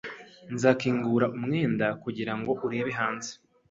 Nzakingura umwenda kugirango urebe hanze.